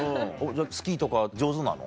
じゃあスキーとか上手なの？